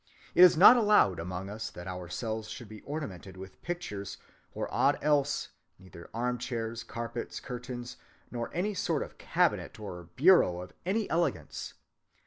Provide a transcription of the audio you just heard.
It is not allowed among us that our cells should be ornamented with pictures or aught else, neither armchairs, carpets, curtains, nor any sort of cabinet or bureau of any elegance.